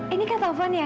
ini kak tovan ya